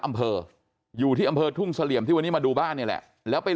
อำเภออยู่ที่อำเภอทุ่งเสลี่ยมที่วันนี้มาดูบ้านนี่แหละแล้วไป